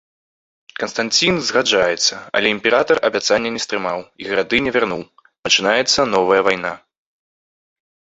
Канстанцін згаджаецца, але імператар абяцання не стрымаў і гарады не вярнуў, пачынаецца новая вайна.